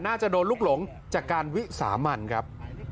น่าจะโดนลูกหลงจากการวิสามันครับ